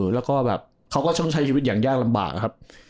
แล้วเขาก็ช่องใช้ชีวิตอย่างยากลำบาก